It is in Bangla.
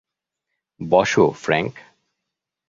বসো, ফ্র্যাঙ্ক।